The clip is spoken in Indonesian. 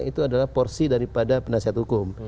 itu adalah porsi daripada penasihat hukum